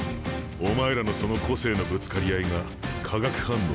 お前らのその個性のぶつかり合いが化学反応を生むか。